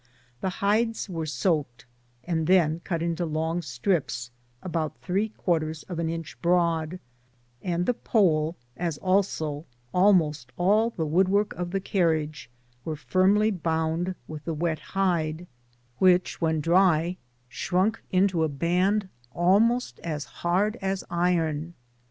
The hide^ were soakedi and then cut into long strips, about three quarters of an inch broad, and the pole, as also "almost all the wood work of the carriage, was firmly bound with the wet hide, which, when dry, ^runk into a b^nd nearly as hard as iron.